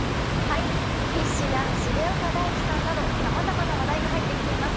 ＤＩＳＨ／／や重岡大毅さんなどさまざまな話題が入ってきています。